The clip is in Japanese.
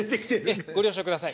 ご了承ください。